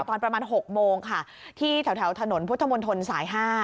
ตอนประมาณ๖โมงค่ะที่แถวถนนพุทธมนตรสาย๕